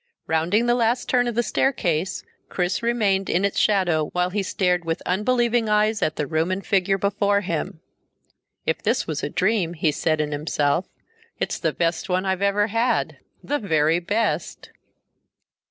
Rounding the last turn of the staircase, Chris remained in its shadow while he stared with unbelieving eyes at the room and figure before him. If this is a dream, he said in himself, it's the best one I've ever had the very best!